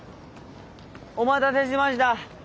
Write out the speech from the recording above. お待たせしました。